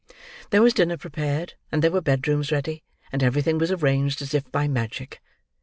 There was dinner prepared, and there were bedrooms ready, and everything was arranged as if by magic.